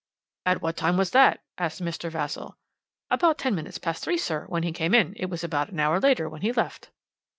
"'At what time was that?' asked Mr. Vassall. "'About ten minutes past three, sir, when he came; it was about an hour later when he left.'